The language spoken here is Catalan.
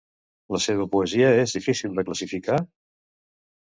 La seva poesia és difícil de classificar?